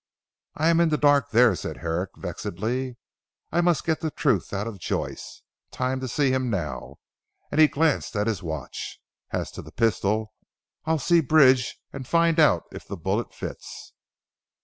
"I am in the dark there," said Herrick vexedly. "I must get the truth out of Joyce. Time to see him now," and he glanced at his watch. "As to the pistol I'll see Bridge and find out if the bullet fits."